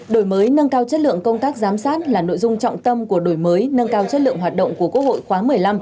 đổi mới nâng cao chất lượng công tác giám sát là nội dung trọng tâm của đổi mới nâng cao chất lượng hoạt động của quốc hội khóa một mươi năm